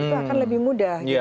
itu akan lebih mudah